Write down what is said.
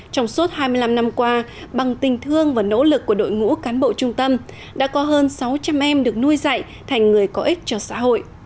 trong suốt hai mươi năm năm qua bằng tình thương và nỗ lực của đội ngũ cán bộ trung tâm đã có hơn sáu trăm linh em được nuôi dạy thành người có ích cho xã hội